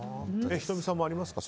仁美さんもありますか？